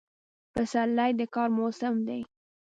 پسرلی د کار موسم دی.